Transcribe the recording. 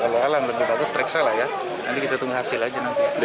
kalau alam lebih bagus periksa lah ya nanti kita tunggu hasil aja nanti